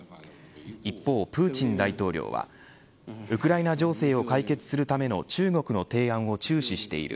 一方、プーチン大統領はウクライナ情勢を解決するための中国の提案を注視している。